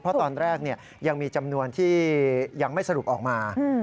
เพราะตอนแรกยังมีจำนวนที่ยังไม่สรุปออกมา